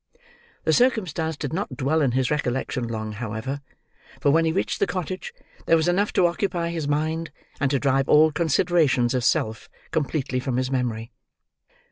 The circumstance did not dwell in his recollection long, however: for when he reached the cottage, there was enough to occupy his mind, and to drive all considerations of self completely from his memory.